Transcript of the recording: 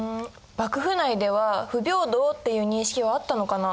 幕府内では不平等っていう認識はあったのかな？